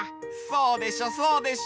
そうでしょそうでしょ！